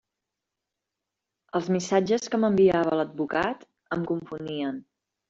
Els missatges que m'enviava l'advocat em confonien.